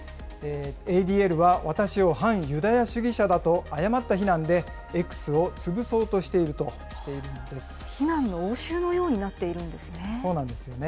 ＡＤＬは私を反ユダヤ主義者だと誤った非難で、Ｘを潰そうとして非難の応酬のようになってるそうなんですよね。